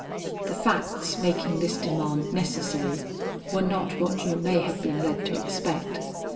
"The facts making this demand necessary were not what you may have been led to expect.